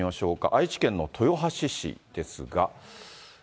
愛知県の豊橋市ですが。